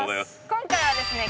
今回はですね